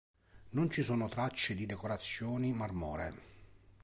Non ci sono tracce di decorazioni marmoree.